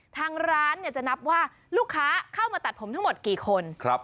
ทางร้านจะนับว่าลูกค้าเข้ามาตัดผมทั้งหมดกี่คน